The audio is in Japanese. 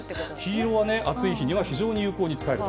黄色は暑い日には非常に有効に使えると。